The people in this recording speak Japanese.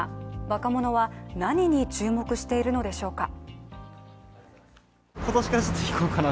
若者は何に注目しているのでしょうか。